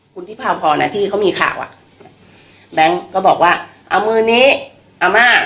คุณที่พาพรที่เขามีข่าวอ่ะแบงค์ก็บอกว่าเอามือนี้อาม่า